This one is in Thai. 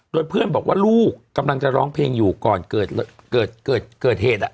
โดยเพื่อนบอกว่าลูกกำลังจะร้องเพลงอยู่ก่อนเกิดเหตุ